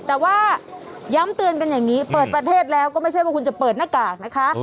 แต่ว่าย้ำเตือนเปิดประเทศแล้วก็ไม่ใช่ว่าคุณจะเปิดนะกาก